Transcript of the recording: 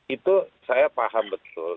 itu saya paham betul